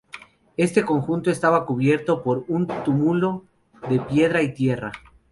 Este conjunto estaba cubierto por un túmulo de piedra y tierra.